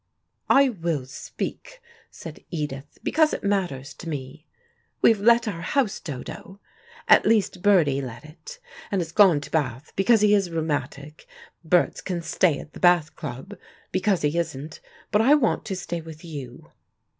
"I will speak," said Edith, "because it matters to me. We've let our house, Dodo, at least Bertie let it, and has gone to Bath, because he is rheumatic; Berts can stay at the Bath Club, because he isn't, but I want to stay with you."